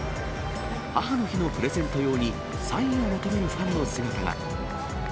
母の日のプレゼント用に、サインを求めるファンの姿が。